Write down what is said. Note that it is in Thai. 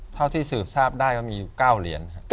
เท่าที่สืบทราบได้ก็มีอยู่๙เหรียญครับ